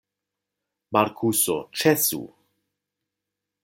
Markuso, ĉesu!